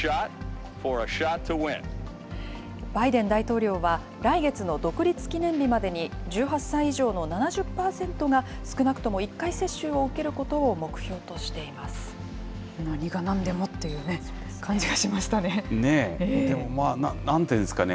バイデン大統領は、来月の独立記念日までに、１８歳以上の７０％が少なくとも１回接種を受けることを目標とし何がなんでもっていうね、感でもまあ、なんて言うんですかね。